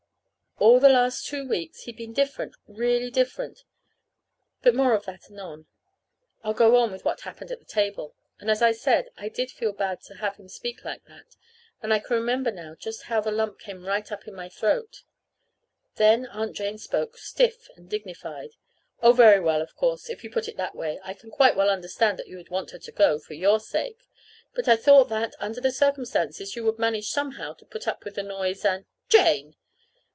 All the last two weeks he'd been different, really different. But more of that anon. I'll go on with what happened at the table. And, as I said, I did feel bad to have him speak like that. And I can remember now just how the lump came right up in my throat. Then Aunt Jane spoke, stiff and dignified. "Oh, very well, of course, if you put it that way. I can quite well understand that you would want her to go for your sake. But I thought that, under the circumstances, you would manage somehow to put up with the noise and " "Jane!"